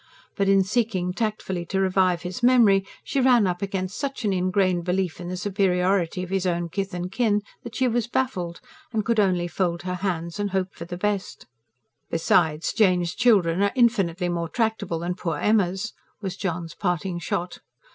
But, in seeking tactfully to revive his memory, she ran up against such an ingrained belief in the superiority of his own kith and kin that she was baffled, and could only fold her hands and hope for the best. "Besides, Jane's children are infinitely more tractable than poor Emma's," was John's parting shot.